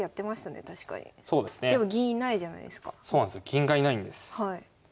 銀がいないんです。